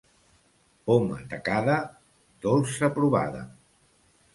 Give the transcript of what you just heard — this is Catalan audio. Poma tacada, dolça provada.